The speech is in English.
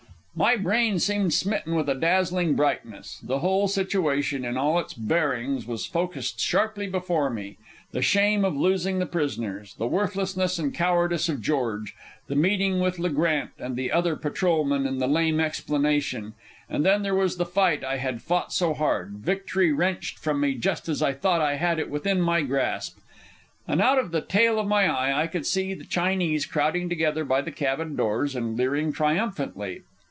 My brain seemed smitten with a dazzling brightness. The whole situation, in all its bearings, was focussed sharply before me the shame of losing the prisoners, the worthlessness and cowardice of George, the meeting with Le Grant and the other patrol men and the lame explanation; and then there was the fight I had fought so hard, victory wrenched from me just as I thought I had it within my grasp. And out of the tail of my eye I could see the Chinese crowding together by the cabin doors and leering triumphantly.